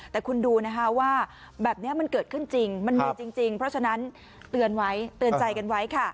แต่คุณดูนะคะว่าแบบนี้มันเกิดขึ้นจริงมันเหนื่อยจริงเพราะฉะนั้นเตือนไว้เตือนใจกันไว้ค่ะ